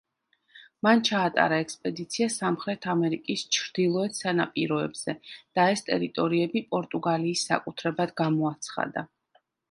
მან ჩაატარა ექსპედიცია სამხრეთ ამერიკის ჩრდილოეთ სანაპიროებზე და ეს ტერიტორიები პორტუგალიის საკუთრებად გამოაცხადა.